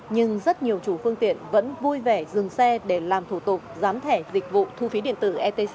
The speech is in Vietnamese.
nhưng rất nhiều chủ phương tiện vẫn vui vẻ dừng xe để làm thủ tục gián thẻ dịch vụ thu phí điện tử etc